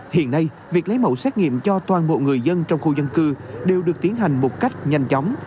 hiện nay việc lấy mẫu xét nghiệm cho toàn bộ người dân trong khu dân cư đều được tiến hành một cách nhanh chóng